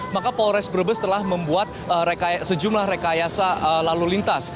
maka polres brebes telah membuat sejumlah rekayasa lalu lintas